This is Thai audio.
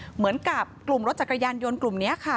เหมือนกับกลุ่มรถจักรยานยนต์กลุ่มนี้ค่ะ